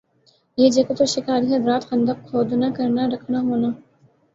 یِہ جگہ پر شکاری حضرات خندق کھودنا کرنا رکھنا ہونا